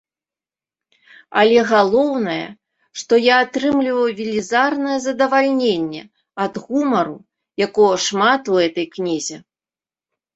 Але галоўнае, што я атрымліваю велізарнае задавальненне ад гумару, якога шмат у гэтай кнізе.